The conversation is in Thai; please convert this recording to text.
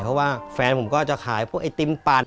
เพราะว่าแฟนผมก็จะขายพวกไอติมปัด